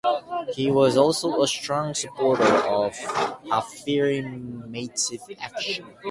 He was also a strong supporter of affirmative action.